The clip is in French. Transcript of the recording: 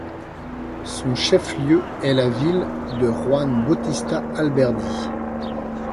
Son chef-lieu est la ville de Juan Bautista Alberdi.